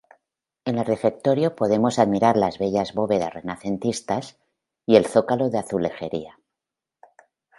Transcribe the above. En el refectorio podemos admirar las bellas bóvedas renacentistas y el zócalo de azulejería.